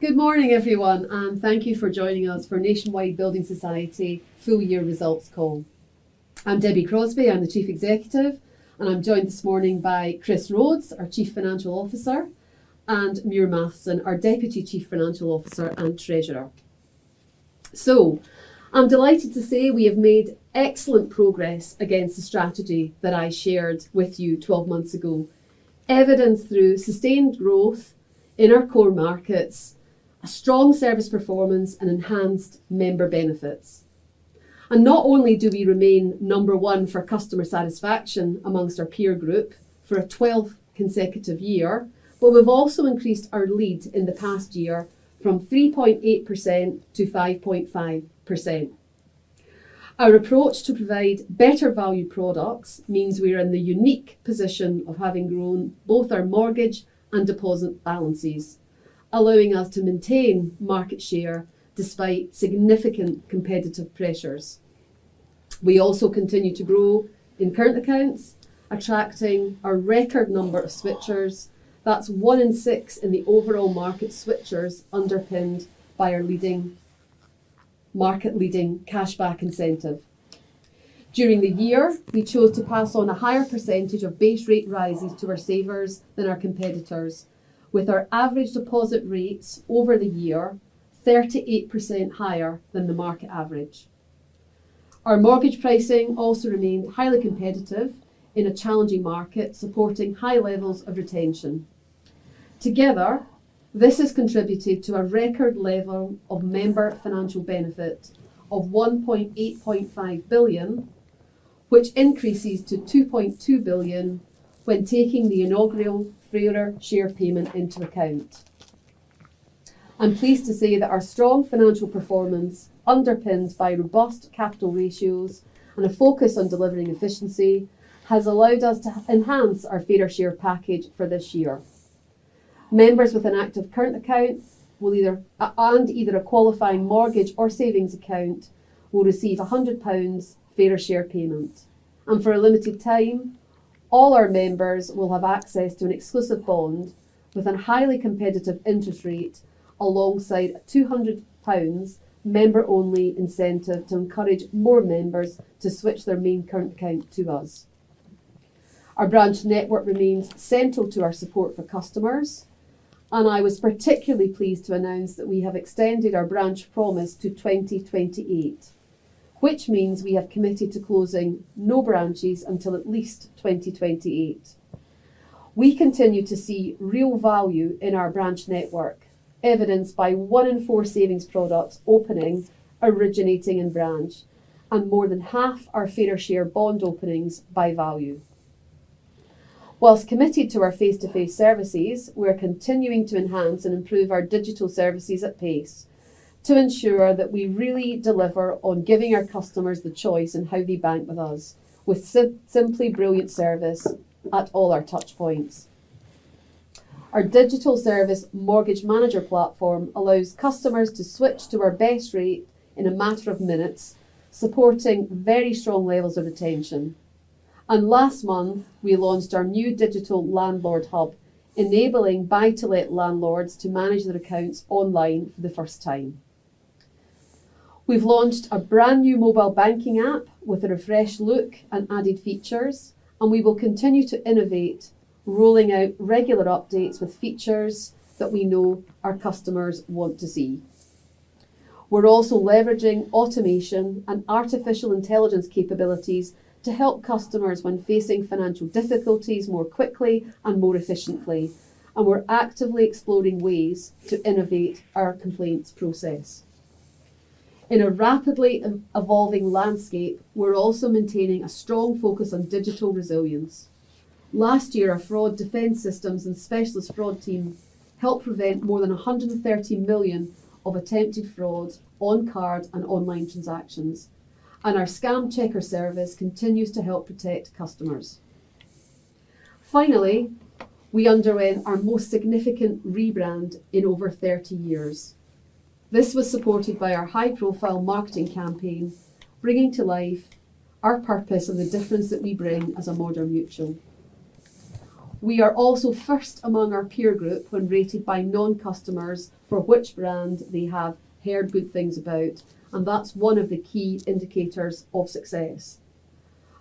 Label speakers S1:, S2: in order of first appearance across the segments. S1: Good morning, everyone, and thank you for joining us for Nationwide Building Society full-year results call. I'm Debbie Crosbie, I'm the Chief Executive, and I'm joined this morning by Chris Rhodes, our Chief Financial Officer, and Muir Mathieson, our Deputy Chief Financial Officer and Treasurer. So I'm delighted to say we have made excellent progress against the strategy that I shared with you 12 months ago, evidenced through sustained growth in our core markets, a strong service performance, and enhanced member benefits. And not only do we remain number one for customer satisfaction amongst our peer group for a 12th consecutive year, but we've also increased our lead in the past year from 3.8% to 5.5%. Our approach to provide better value products means we are in the unique position of having grown both our mortgage and deposit balances, allowing us to maintain market share despite significant competitive pressures. We also continue to grow in current accounts, attracting a record number of switchers. That's 1 in 6 in the overall market switchers, underpinned by our leading, market-leading cashback incentive. During the year, we chose to pass on a higher percentage of base rate rises to our savers than our competitors, with our average deposit rates over the year 38% higher than the market average. Our mortgage pricing also remained highly competitive in a challenging market, supporting high levels of retention. Together, this has contributed to a record level of member financial benefit of 1.85 billion, which increases to 2.2 billion when taking the inaugural Fairer Share Payment into account. I'm pleased to say that our strong financial performance, underpinned by robust capital ratios and a focus on delivering efficiency, has allowed us to enhance our Fairer Share package for this year. Members with an active current account and either a qualifying mortgage or savings account will receive a 100 pounds Fairer Share payment, and for a limited time, all our members will have access to an exclusive bond with a highly competitive interest rate, alongside a 200 pounds member-only incentive to encourage more members to switch their main current account to us. Our branch network remains central to our support for customers, and I was particularly pleased to announce that we have extended our branch promise to 2028, which means we have committed to closing no branches until at least 2028. We continue to see real value in our branch network, evidenced by one in four savings products openings originating in branch, and more than half our Fairer Share Bond openings by value. While committed to our face-to-face services, we're continuing to enhance and improve our digital services at pace to ensure that we really deliver on giving our customers the choice in how they bank with us, with simply brilliant service at all our touchpoints. Our digital service Mortgage Manager platform allows customers to switch to our best rate in a matter of minutes, supporting very strong levels of retention. And last month, we launched our new Digital Landlord Hub, enabling buy-to-let landlords to manage their accounts online for the first time. We've launched a brand-new mobile banking app with a refreshed look and added features, and we will continue to innovate, rolling out regular updates with features that we know our customers want to see. We're also leveraging automation and artificial intelligence capabilities to help customers when facing financial difficulties more quickly and more efficiently, and we're actively exploring ways to innovate our complaints process. In a rapidly evolving landscape, we're also maintaining a strong focus on digital resilience. Last year, our fraud defense systems and specialist fraud team helped prevent more than 130 million of attempted fraud on card and online transactions, and our Scam Checker service continues to help protect customers. Finally, we underwent our most significant rebrand in over 30 years. This was supported by our high-profile marketing campaign, bringing to life our purpose and the difference that we bring as a modern mutual. We are also first among our peer group when rated by non-customers for which brand they have heard good things about, and that's one of the key indicators of success.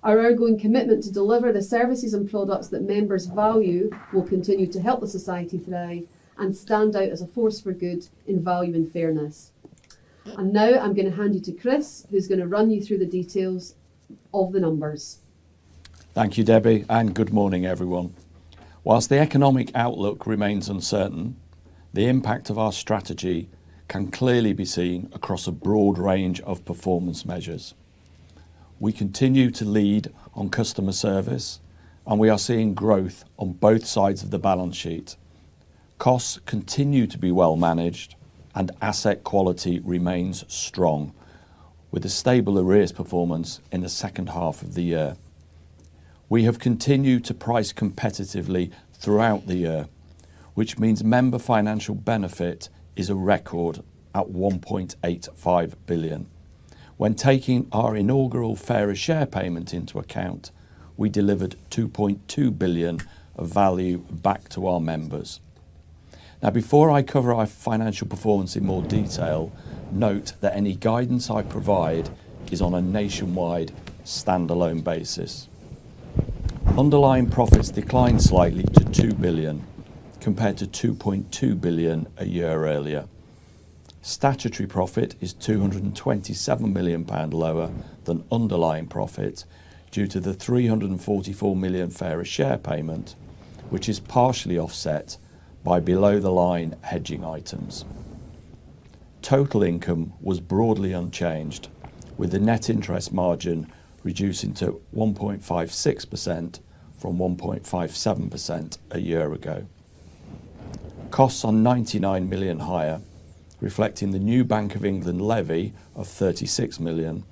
S1: Our ongoing commitment to deliver the services and products that members value will continue to help the society thrive and stand out as a force for good in value and fairness. Now I'm going to hand you to Chris, who's going to run you through the details of the numbers.
S2: Thank you, Debbie, and good morning, everyone. While the economic outlook remains uncertain, the impact of our strategy can clearly be seen across a broad range of performance measures. We continue to lead on customer service, and we are seeing growth on both sides of the balance sheet. Costs continue to be well managed, and asset quality remains strong, with a stable arrears performance in the second half of the year. We have continued to price competitively throughout the year, which means member financial benefit is a record at 1.85 billion, when taking our inaugural Fairer Share payment into account, we delivered 2.2 billion of value back to our members. Now, before I cover our financial performance in more detail, note that any guidance I provide is on a Nationwide standalone basis. Underlying profits declined slightly to 2 billion, compared to 2.2 billion a year earlier. Statutory profit is 227 million pound lower than underlying profit, due to the 344 million Fairer Share Payment, which is partially offset by below-the-line hedging items. Total income was broadly unchanged, with the net interest margin reducing to 1.56% from 1.57% a year ago. Costs are 99 million higher, reflecting the new Bank of England levy of 36 million,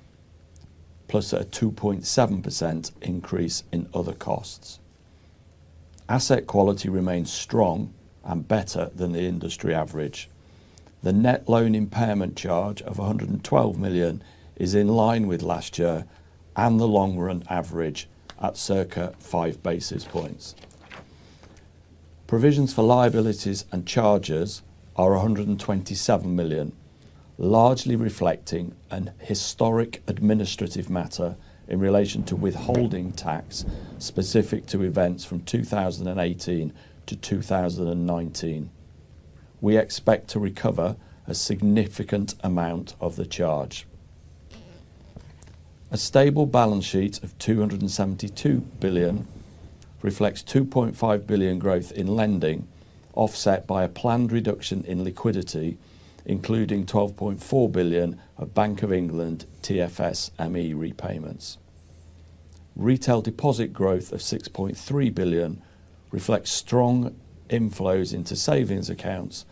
S2: plus a 2.7% increase in other costs. Asset quality remains strong and better than the industry average. The net loan impairment charge of 112 million is in line with last year and the long-run average at circa five basis points. Provisions for liabilities and charges are 127 million, largely reflecting an historic administrative matter in relation to withholding tax, specific to events from 2018 to 2019. We expect to recover a significant amount of the charge. A stable balance sheet of 272 billion reflects 2.5 billion growth in lending, offset by a planned reduction in liquidity, including 12.4 billion of Bank of England TFSME repayments. Retail deposit growth of 6.3 billion reflects strong inflows into savings accounts,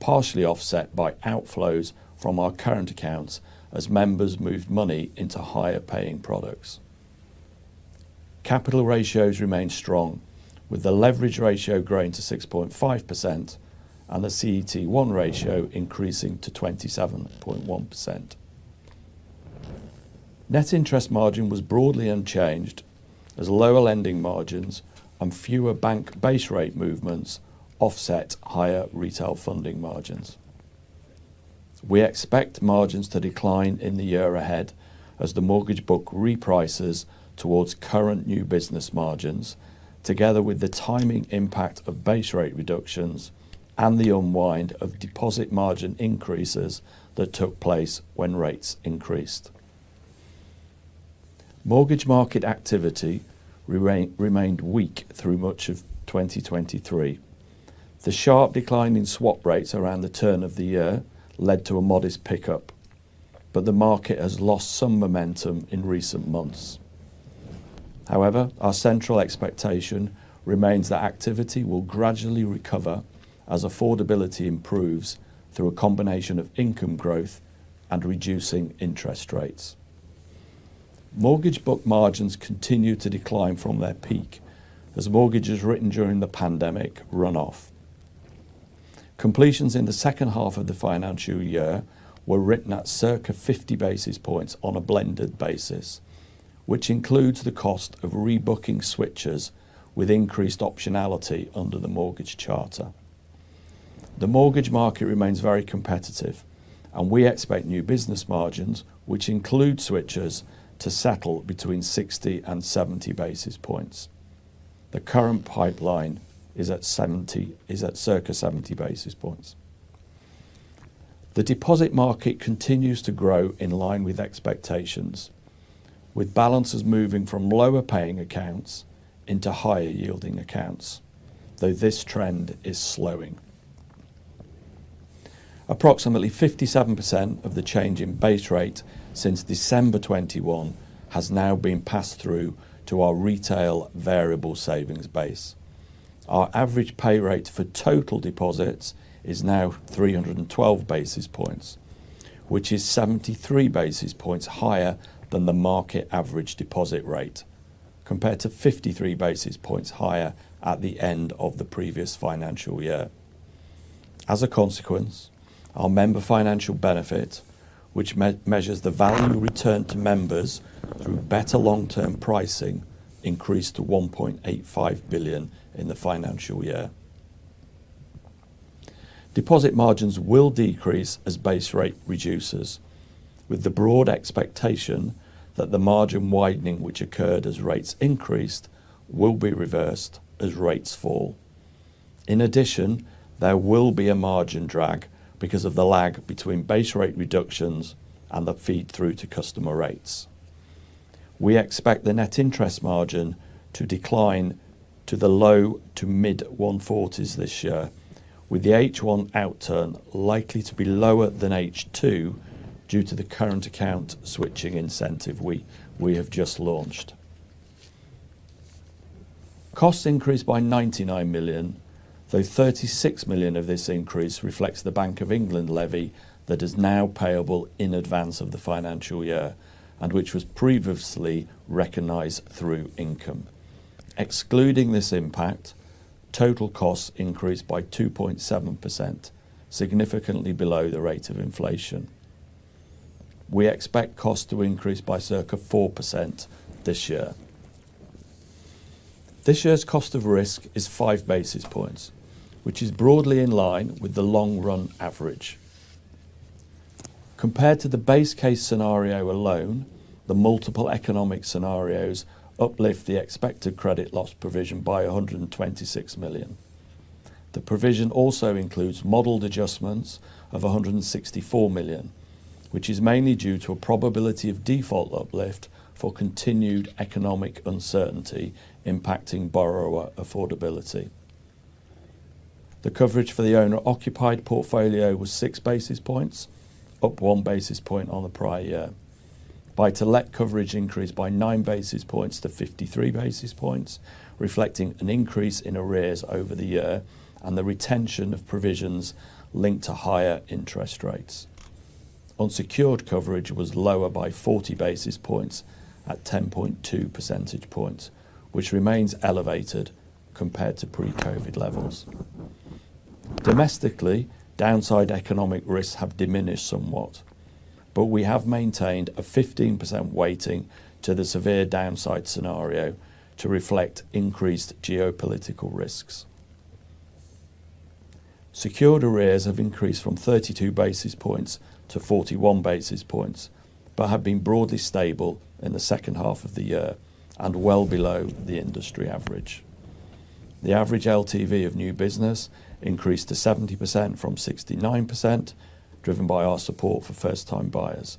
S2: partially offset by outflows from our current accounts as members move money into higher-paying products. Capital ratios remain strong, with the leverage ratio growing to 6.5% and the CET1 ratio increasing to 27.1%. Net Interest Margin was broadly unchanged, as lower lending margins and fewer bank base rate movements offset higher retail funding margins. We expect margins to decline in the year ahead as the mortgage book reprices towards current new business margins, together with the timing impact of base rate reductions and the unwind of deposit margin increases that took place when rates increased. Mortgage market activity remained weak through much of 2023. The sharp decline in swap rates around the turn of the year led to a modest pickup, but the market has lost some momentum in recent months. However, our central expectation remains that activity will gradually recover as affordability improves through a combination of income growth and reducing interest rates. Mortgage book margins continue to decline from their peak as mortgages written during the pandemic run off. Completions in the second half of the financial year were written at circa 50 basis points on a blended basis, which includes the cost of rebooking switchers with increased optionality under the Mortgage Charter. The mortgage market remains very competitive, and we expect new business margins, which include switchers, to settle between 60 and 70 basis points. The current pipeline is at circa 70 basis points. The deposit market continues to grow in line with expectations, with balances moving from lower-paying accounts into higher-yielding accounts, though this trend is slowing. Approximately 57% of the change in base rate since December 2021 has now been passed through to our retail variable savings base. Our average pay rate for total deposits is now 312 basis points, which is 73 basis points higher than the market average deposit rate, compared to 53 basis points higher at the end of the previous financial year. As a consequence, our member financial benefit, which measures the value returned to members through better long-term pricing, increased to 1.85 billion in the financial year. Deposit margins will decrease as base rate reduces, with the broad expectation that the margin widening, which occurred as rates increased, will be reversed as rates fall. In addition, there will be a margin drag because of the lag between base rate reductions and the feed-through to customer rates. We expect the net interest margin to decline to the low to mid-1.40s this year, with the H1 outturn likely to be lower than H2 due to the current account switching incentive we have just launched. Costs increased by 99 million, though 36 million of this increase reflects the Bank of England levy that is now payable in advance of the financial year, and which was previously recognized through income. Excluding this impact, total costs increased by 2.7%, significantly below the rate of inflation. We expect costs to increase by circa 4% this year. This year's cost of risk is 5 basis points, which is broadly in line with the long run average. Compared to the base case scenario alone, the multiple economic scenarios uplift the expected credit loss provision by 126 million. The provision also includes modeled adjustments of 164 million, which is mainly due to a probability of default uplift for continued economic uncertainty impacting borrower affordability. The coverage for the owner-occupied portfolio was 6 basis points, up 1 basis point on the prior year. Buy-to-let coverage increased by 9 basis points to 53 basis points, reflecting an increase in arrears over the year and the retention of provisions linked to higher interest rates. Unsecured coverage was lower by 40 basis points at 10.2 percentage points, which remains elevated compared to pre-COVID levels. Domestically, downside economic risks have diminished somewhat, but we have maintained a 15% weighting to the severe downside scenario to reflect increased geopolitical risks. Secured arrears have increased from 32 basis points to 41 basis points, but have been broadly stable in the second half of the year and well below the industry average. The average LTV of new business increased to 70% from 69%, driven by our support for first time buyers.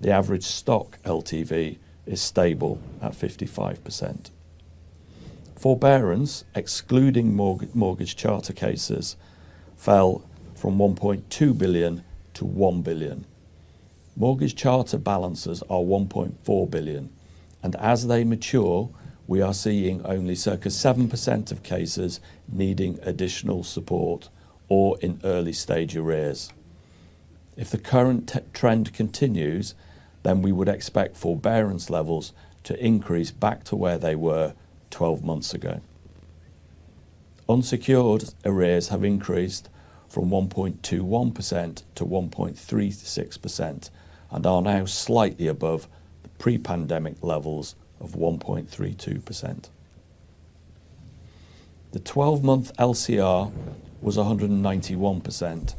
S2: The average stock LTV is stable at 55%. Forbearance, excluding mortgage charter cases, fell from 1.2 billion to 1 billion. Mortgage charter balances are 1.4 billion, and as they mature, we are seeing only circa 7% of cases needing additional support or in early stage arrears. If the current trend continues, then we would expect forbearance levels to increase back to where they were 12 months ago. Unsecured arrears have increased from 1.21% to 1.36% and are now slightly above the pre-pandemic levels of 1.32%. The twelve-month LCR was 191%,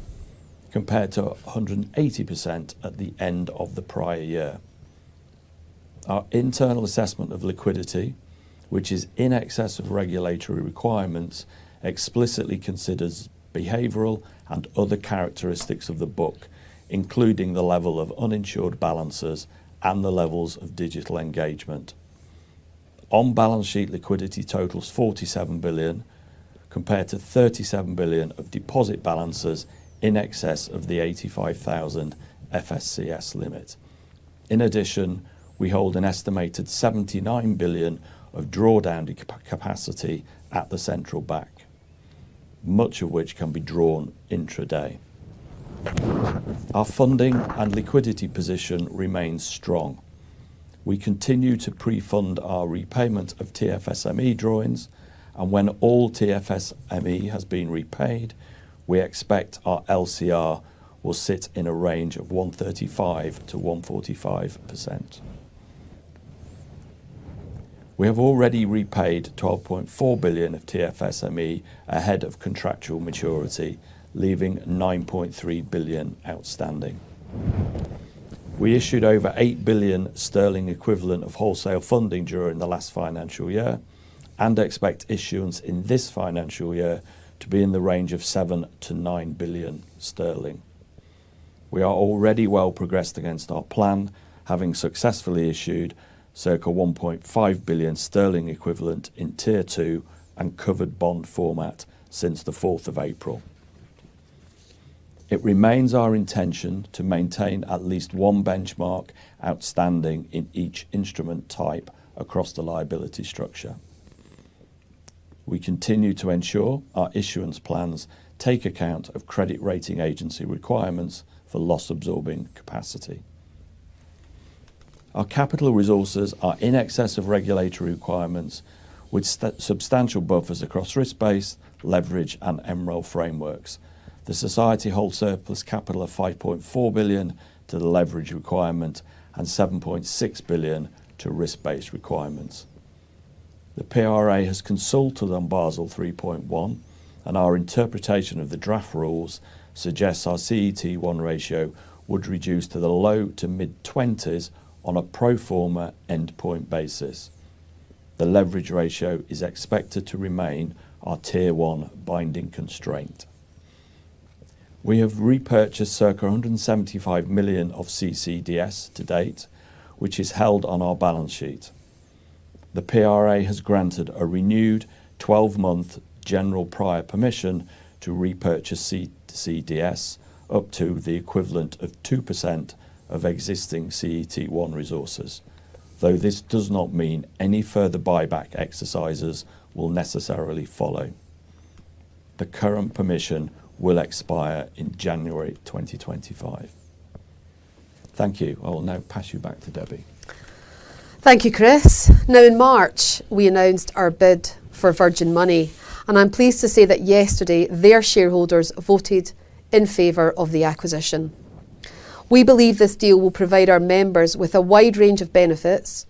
S2: compared to 180% at the end of the prior year. Our internal assessment of liquidity, which is in excess of regulatory requirements, explicitly considers behavioral and other characteristics of the book, including the level of uninsured balances and the levels of digital engagement. On balance sheet, liquidity totals 47 billion, compared to 37 billion of deposit balances in excess of the 85,000 FSCS limit. In addition, we hold an estimated 79 billion of drawdown capacity at the central bank, much of which can be drawn intraday. Our funding and liquidity position remains strong. We continue to pre-fund our repayment of TFSME drawings, and when all TFSME has been repaid, we expect our LCR will sit in a range of 135%-145%. We have already repaid 12.4 billion of TFSME ahead of contractual maturity, leaving 9.3 billion outstanding. We issued over 8 billion sterling equivalent of wholesale funding during the last financial year and expect issuance in this financial year to be in the range of 7-9 billion sterling. We are already well progressed against our plan, having successfully issued circa 1.5 billion sterling equivalent in Tier 2 and covered bond format since April 4. It remains our intention to maintain at least one benchmark outstanding in each instrument type across the liability structure. We continue to ensure our issuance plans take account of credit rating agency requirements for loss-absorbing capacity. Our capital resources are in excess of regulatory requirements, with substantial buffers across risk base, leverage, and MREL frameworks. The Society holds surplus capital of 5.4 billion to the leverage requirement and 7.6 billion to risk-based requirements. The PRA has consulted on Basel 3.1, and our interpretation of the draft rules suggests our CET1 ratio would reduce to the low- to mid-20s on a pro forma endpoint basis. The leverage ratio is expected to remain our Tier 1 binding constraint. We have repurchased circa 175 million of CCDS to date, which is held on our balance sheet. The PRA has granted a renewed 12-month general prior permission to repurchase CCDS, up to the equivalent of 2% of existing CET1 resources, though this does not mean any further buyback exercises will necessarily follow. The current permission will expire in January 2025. Thank you. I will now pass you back to Debbie.
S1: Thank you, Chris. Now, in March, we announced our bid for Virgin Money, and I'm pleased to say that yesterday their shareholders voted in favor of the acquisition. We believe this deal will provide our members with a wide range of benefits,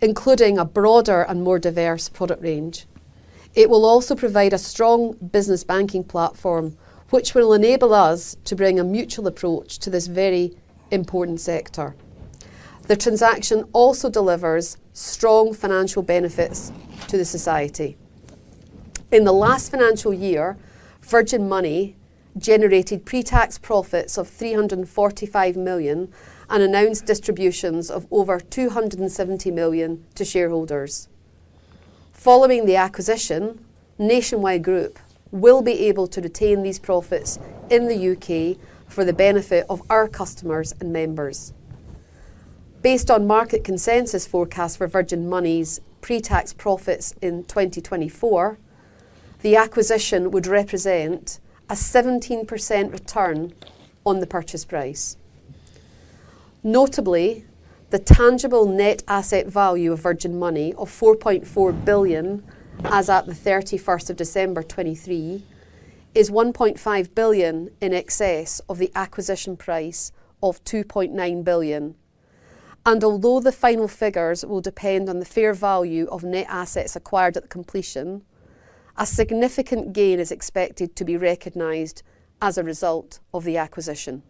S1: including a broader and more diverse product range. It will also provide a strong business banking platform, which will enable us to bring a mutual approach to this very important sector. The transaction also delivers strong financial benefits to the society. In the last financial year, Virgin Money generated pre-tax profits of 345 million and announced distributions of over 270 million to shareholders. Following the acquisition, Nationwide Group will be able to retain these profits in the U.K. for the benefit of our customers and members. Based on market consensus forecast for Virgin Money's pre-tax profits in 2024, the acquisition would represent a 17% return on the purchase price. Notably, the tangible net asset value of Virgin Money of 4.4 billion, as at the thirty-first of December 2023, is 1.5 billion in excess of the acquisition price of 2.9 billion. Although the final figures will depend on the fair value of net assets acquired at the completion, a significant gain is expected to be recognized as a result of the acquisition.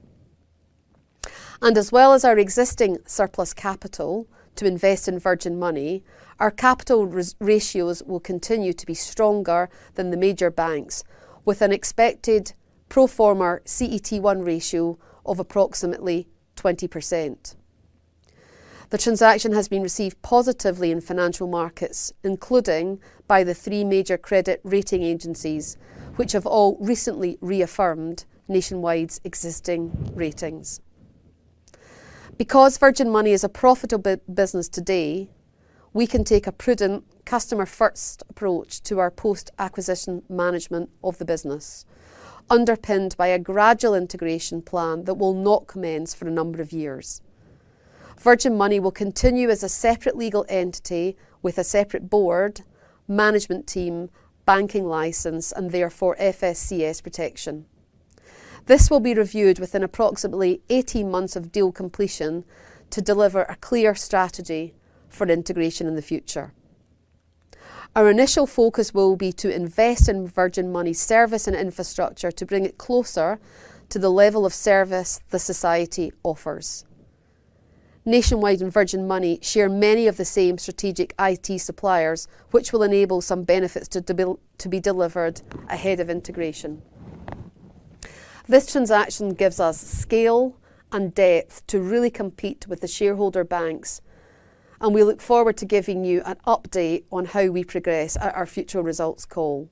S1: As well as our existing surplus capital to invest in Virgin Money, our capital ratios will continue to be stronger than the major banks, with an expected pro forma CET1 ratio of approximately 20%. The transaction has been received positively in financial markets, including by the three major credit rating agencies, which have all recently reaffirmed Nationwide's existing ratings. Because Virgin Money is a profitable business today, we can take a prudent customer-first approach to our post-acquisition management of the business, underpinned by a gradual integration plan that will not commence for a number of years. Virgin Money will continue as a separate legal entity with a separate board, management team, banking license, and therefore FSCS protection. This will be reviewed within approximately 18 months of deal completion to deliver a clear strategy for integration in the future. Our initial focus will be to invest in Virgin Money service and infrastructure to bring it closer to the level of service the society offers. Nationwide and Virgin Money share many of the same strategic IT suppliers, which will enable some benefits to be delivered ahead of integration. This transaction gives us scale and depth to really compete with the shareholder banks, and we look forward to giving you an update on how we progress at our future results call.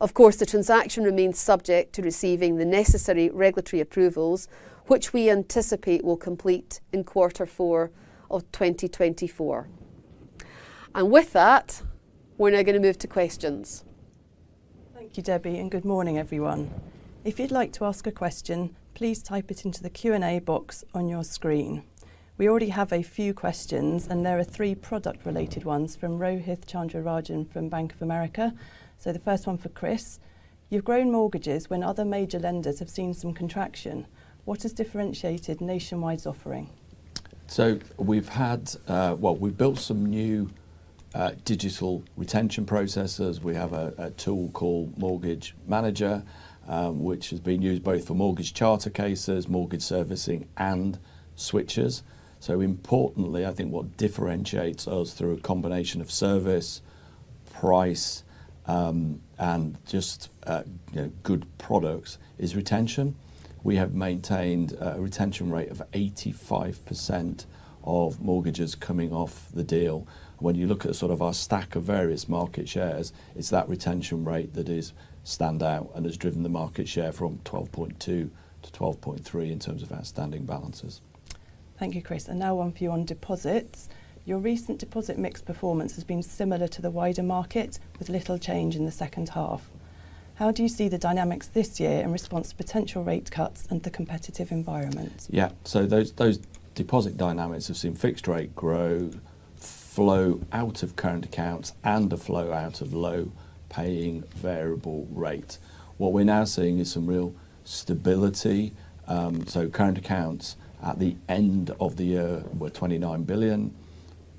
S1: Of course, the transaction remains subject to receiving the necessary regulatory approvals, which we anticipate will complete in quarter four of 2024. With that, we're now gonna move to questions.
S3: Thank you, Debbie, and good morning, everyone. If you'd like to ask a question, please type it into the Q&A box on your screen. We already have a few questions, and there are three product-related ones from Rohith Chandra-Rajan from Bank of America. So the first one for Chris: You've grown mortgages when other major lenders have seen some contraction. What has differentiated Nationwide's offering?
S2: So we've had, well, we've built some new digital retention processes. We have a tool called Mortgage Manager, which has been used both for Mortgage Charter cases, mortgage servicing, and switchers. So importantly, I think what differentiates us through a combination of service, price, and just, you know, good products is retention. We have maintained a retention rate of 85% of mortgages coming off the deal. When you look at sort of our stack of various market shares, it's that retention rate that stands out and has driven the market share from 12.2 to 12.3 in terms of outstanding balances.
S3: Thank you, Chris, and now one for you on deposits. Your recent deposit mix performance has been similar to the wider market, with little change in the second half. How do you see the dynamics this year in response to potential rate cuts and the competitive environment?
S2: Yeah, so those deposit dynamics have seen fixed rate grow, flow out of current accounts, and a flow out of low-paying variable rate. What we're now seeing is some real stability. So current accounts at the end of the year were 29 billion.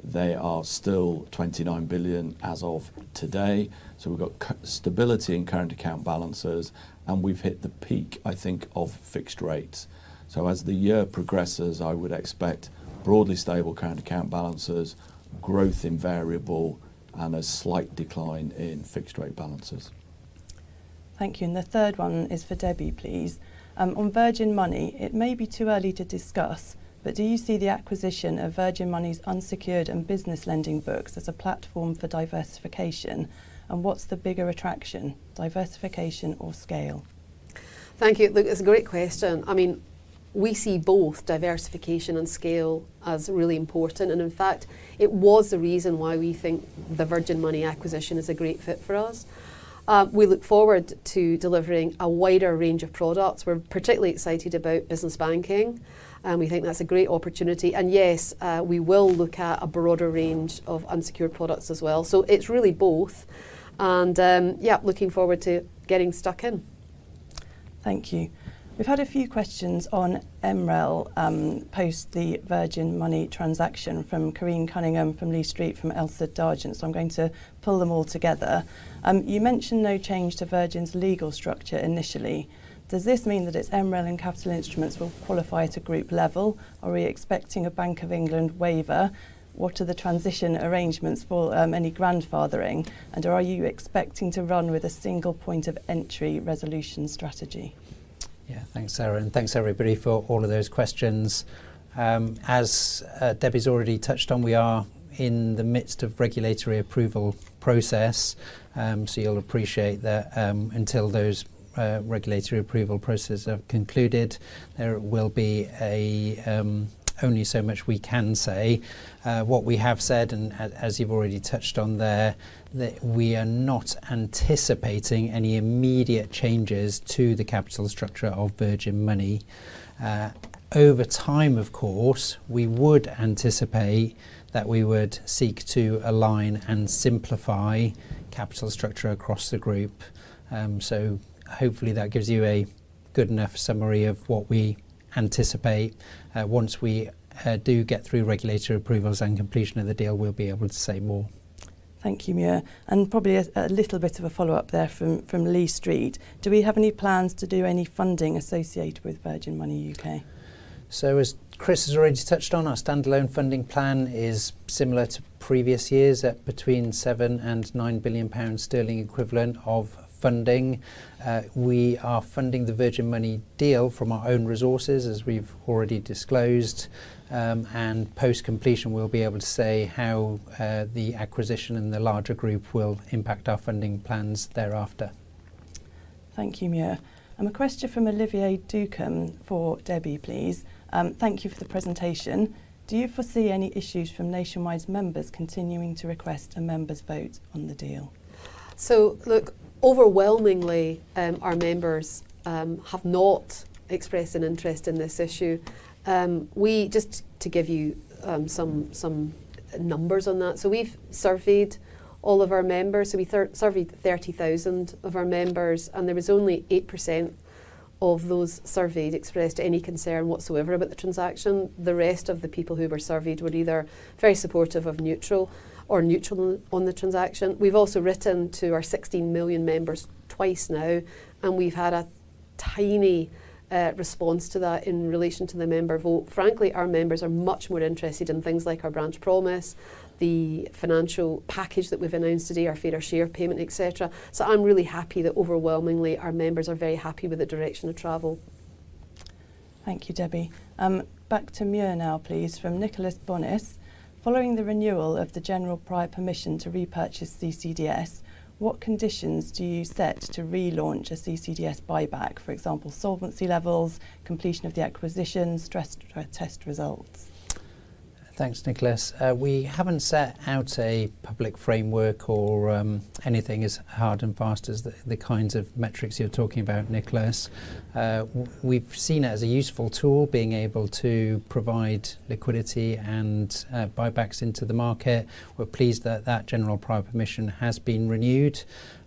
S2: They are still 29 billion as of today. So we've got stability in current account balances, and we've hit the peak, I think, of fixed rates. So as the year progresses, I would expect broadly stable current account balances, growth in variable, and a slight decline in fixed-rate balances.
S3: Thank you, and the third one is for Debbie, please. On Virgin Money, it may be too early to discuss, but do you see the acquisition of Virgin Money's unsecured and business lending books as a platform for diversification? And what's the bigger attraction, diversification or scale?
S1: Thank you. Look, it's a great question. I mean, we see both diversification and scale as really important, and in fact, it was the reason why we think the Virgin Money acquisition is a great fit for us. We look forward to delivering a wider range of products. We're particularly excited about business banking, and we think that's a great opportunity. And yes, we will look at a broader range of unsecured products as well. So it's really both. And, yeah, looking forward to getting stuck in.
S3: Thank you. We've had a few questions on MREL post the Virgin Money transaction from Corinne Cunningham, from Lee Street, from Elsa Dargent, so I'm going to pull them all together. You mentioned no change to Virgin's legal structure initially. Does this mean that its MREL and capital instruments will qualify at a group level? Are we expecting a Bank of England waiver? What are the transition arrangements for any grandfathering, and are you expecting to run with a single point of entry resolution strategy?
S4: Yeah. Thanks, Sarah, and thanks everybody for all of those questions. As Debbie's already touched on, we are in the midst of regulatory approval process. So you'll appreciate that, until those, regulatory approval processes have concluded, there will be a, only so much we can say. What we have said, and as, as you've already touched on there, that we are not anticipating any immediate changes to the capital structure of Virgin Money. Over time, of course, we would anticipate that we would seek to align and simplify capital structure across the group. So hopefully that gives you a good enough summary of what we anticipate. Once we, do get through regulatory approvals and completion of the deal, we'll be able to say more.
S3: Thank you, Muir. And probably a little bit of a follow-up there from Lee Street: Do we have any plans to do any funding associated with Virgin Money U.K.?
S4: So as Chris has already touched on, our standalone funding plan is similar to previous years, at between 7 billion and 9 billion pounds equivalent of funding. We are funding the Virgin Money deal from our own resources, as we've already disclosed. Post-completion, we'll be able to say how the acquisition and the larger group will impact our funding plans thereafter.
S3: Thank you, Muir. And a question from Olivier Doukam for Debbie, please. Thank you for the presentation. Do you foresee any issues from Nationwide's members continuing to request a members' vote on the deal?
S1: So look, overwhelmingly, our members have not expressed an interest in this issue. Just to give you some numbers on that, so we've surveyed all of our members, so we surveyed 30,000 of our members, and there was only 8% of those surveyed expressed any concern whatsoever about the transaction. The rest of the people who were surveyed were either very supportive or neutral or neutral on the transaction. We've also written to our 16 million members twice now, and we've had a tiny response to that in relation to the member vote. Frankly, our members are much more interested in things like our branch promise, the financial package that we've announced today, our Fairer Share Payment, et cetera. So I'm really happy that overwhelmingly our members are very happy with the direction of travel.
S3: Thank you, Debbie. Back to Muir now, please, from Nicolas Bonis: Following the renewal of the general prior permission to repurchase CCDS, what conditions do you set to relaunch a CCDS buyback? For example, solvency levels, completion of the acquisition, stress test results.
S4: Thanks, Nicholas. We haven't set out a public framework or, anything as hard and fast as the, the kinds of metrics you're talking about, Nicholas. We've seen it as a useful tool, being able to provide liquidity and, buybacks into the market. We're pleased that that general prior permission has been renewed.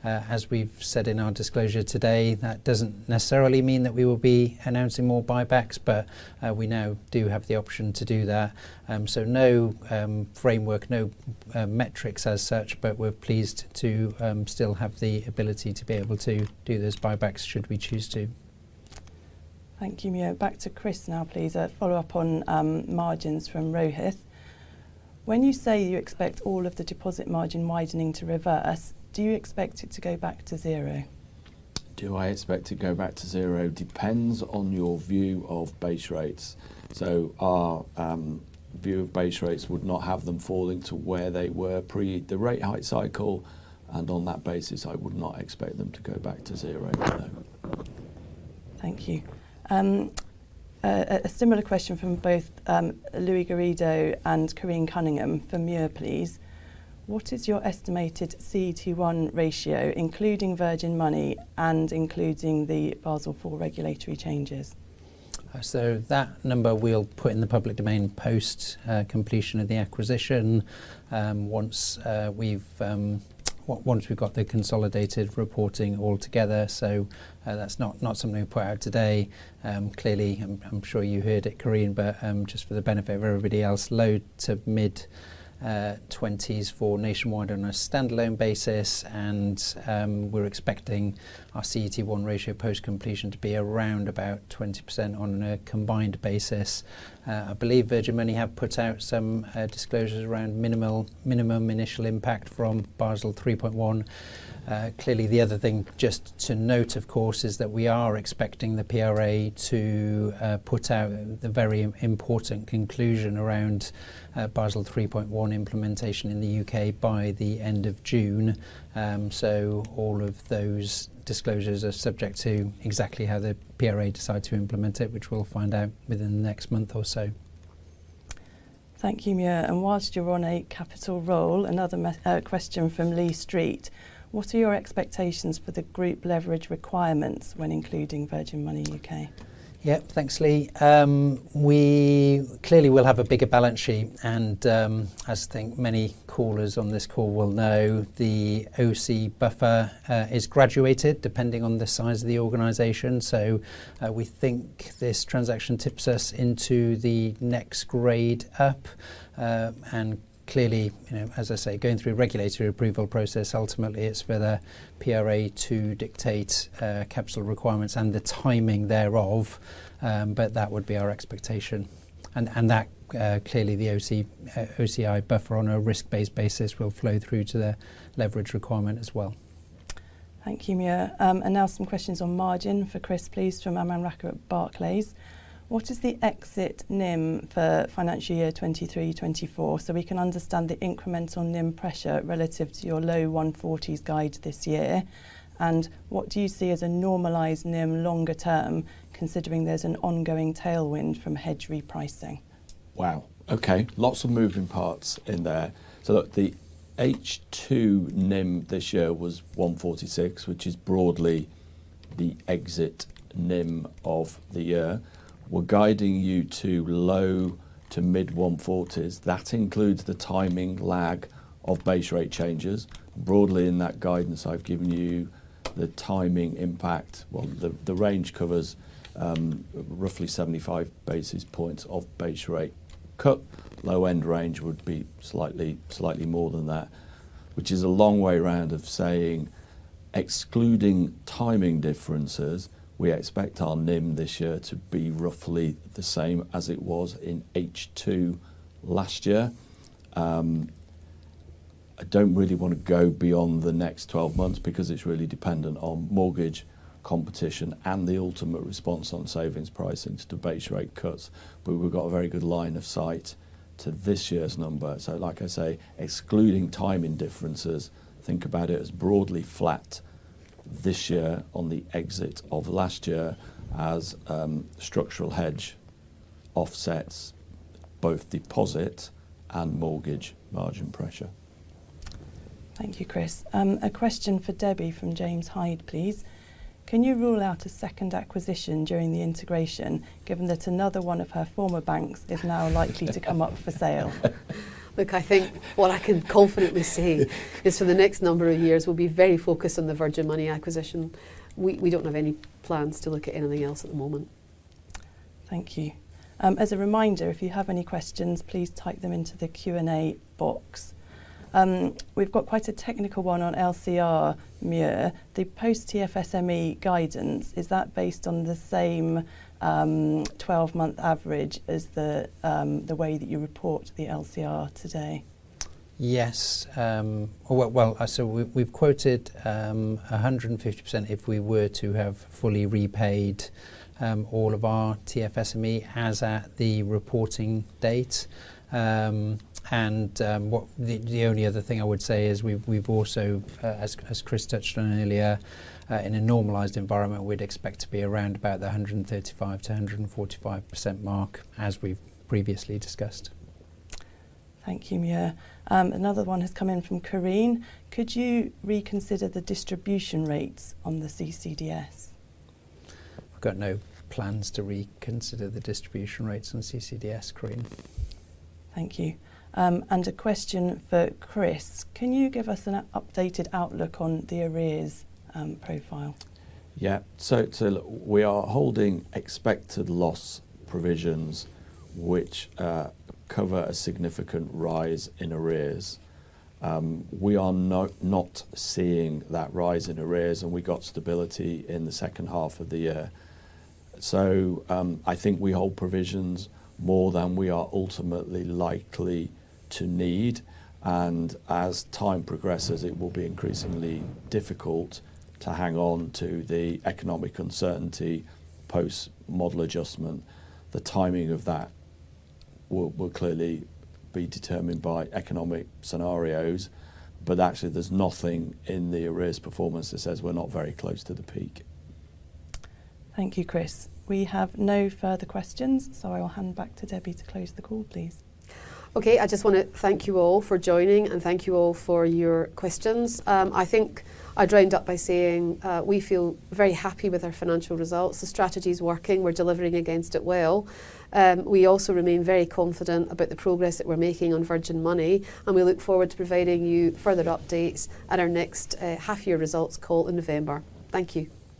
S4: As we've said in our disclosure today, that doesn't necessarily mean that we will be announcing more buybacks, but, we now do have the option to do that. So no, framework, no, metrics as such, but we're pleased to, still have the ability to be able to do those buybacks should we choose to.
S3: Thank you, Muir. Back to Chris now, please. A follow-up on, margins from Rohith. When you say you expect all of the deposit margin widening to reverse, do you expect it to go back to zero?
S2: Do I expect it to go back to zero? Depends on your view of base rates. So our view of base rates would not have them falling to where they were pre the rate hike cycle, and on that basis, I would not expect them to go back to zero, no.
S3: Thank you. A similar question from both Luis Garrido and Corinne Cunningham for Muir, please: What is your estimated CET1 ratio, including Virgin Money and including the Basel IV regulatory changes?
S4: So that number we'll put in the public domain post completion of the acquisition, once we've got the consolidated reporting all together, so that's not something we'll put out today. Clearly, I'm sure you heard it, Kareen, but just for the benefit of everybody else, low to mid-20s for Nationwide on a standalone basis, and we're expecting our CET1 ratio post-completion to be around about 20% on a combined basis. I believe Virgin Money have put out some disclosures around minimum initial impact from Basel 3.1. Clearly, the other thing just to note, of course, is that we are expecting the PRA to put out the very important conclusion around Basel 3.1 implementation in the U.K. by the end of June. So all of those disclosures are subject to exactly how the PRA decide to implement it, which we'll find out within the next month or so....
S3: Thank you, Muir. And whilst you're on a capital roll, another question from Lee Street. What are your expectations for the group leverage requirements when including Virgin Money U.K.?
S4: Yep. Thanks, Lee. We clearly will have a bigger balance sheet, and, as I think many callers on this call will know, the O-SII buffer is graduated depending on the size of the organization. So, we think this transaction tips us into the next grade up. And clearly, you know, as I say, going through a regulatory approval process, ultimately it's for the PRA to dictate capital requirements and the timing thereof. But that would be our expectation. And that clearly, the O-SII buffer on a risk-based basis will flow through to the leverage requirement as well.
S3: Thank you, Muir. And now some questions on margin for Chris, please, from Aman Rakkar at Barclays. What is the exit NIM for financial year 2023, 2024, so we can understand the incremental NIM pressure relative to your low 140s guide this year? And what do you see as a normalized NIM longer term, considering there's an ongoing tailwind from hedge repricing?
S2: Wow! Okay. Lots of moving parts in there. So look, the H2 NIM this year was 146, which is broadly the exit NIM of the year. We're guiding you to low to mid 140s. That includes the timing lag of base rate changes. Broadly, in that guidance, I've given you the timing impact. Well, the range covers roughly 75 basis points of base rate cut. Low-end range would be slightly more than that, which is a long way round of saying, excluding timing differences, we expect our NIM this year to be roughly the same as it was in H2 last year. I don't really want to go beyond the next 12 months, because it's really dependent on mortgage competition and the ultimate response on savings pricing to base rate cuts, but we've got a very good line of sight to this year's number. So like I say, excluding timing differences, think about it as broadly flat this year on the exit of last year as, structural hedge offsets both deposit and mortgage margin pressure.
S3: Thank you, Chris. A question for Debbie from James Hyde, please. Can you rule out a second acquisition during the integration, given that another one of her former banks is now likely to come up for sale?
S1: Look, I think what I can confidently say is for the next number of years, we'll be very focused on the Virgin Money acquisition. We don't have any plans to look at anything else at the moment.
S3: Thank you. As a reminder, if you have any questions, please type them into the Q&A box. We've got quite a technical one on LCR, Muir. The post-TFSME guidance, is that based on the same, 12-month average as the way that you report the LCR today?
S4: Yes. Well, so we've quoted 150% if we were to have fully repaid all of our TFSME as at the reporting date. And the only other thing I would say is we've also, as Chris touched on earlier, in a normalized environment, we'd expect to be around about the 135%-145% mark, as we've previously discussed.
S3: Thank you, Muir. Another one has come in from Karine. Could you reconsider the distribution rates on the CCDS?
S4: We've got no plans to reconsider the distribution rates on CCDS, Karine.
S3: Thank you. A question for Chris: Can you give us an updated outlook on the arrears profile?
S2: Yeah. So, so look, we are holding expected loss provisions, which cover a significant rise in arrears. We are not, not seeing that rise in arrears, and we got stability in the second half of the year. I think we hold provisions more than we are ultimately likely to need, and as time progresses, it will be increasingly difficult to hang on to the economic uncertainty post-model adjustment. The timing of that will clearly be determined by economic scenarios, but actually, there's nothing in the arrears performance that says we're not very close to the peak.
S3: Thank you, Chris. We have no further questions, so I will hand back to Debbie to close the call, please.
S1: Okay. I just want to thank you all for joining, and thank you all for your questions. I think I'd round up by saying, we feel very happy with our financial results. The strategy is working. We're delivering against it well. We also remain very confident about the progress that we're making on Virgin Money, and we look forward to providing you further updates at our next, half-year results call in November. Thank you.